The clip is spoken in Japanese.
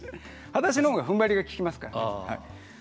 はだしのほうがふんばりが利きますからね。